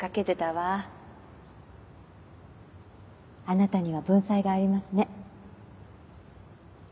あなたには文才がありますね。